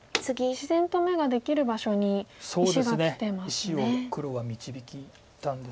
自然と眼ができる場所に石がきてますね。